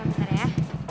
tunggu bentar ya